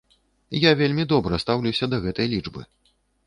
Я вельмі добра стаўлюся да гэтай лічбы.